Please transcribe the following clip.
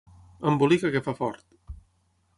Embolica que fa fort!